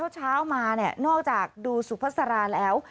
เช้ามานอกจากดูสุภาษาแล้ว